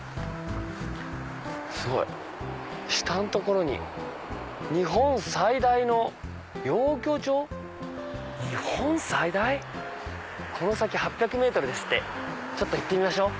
すごい下の所に「日本最大の養魚場」？日本最大？この先８００ｍですってちょっと行ってみましょう。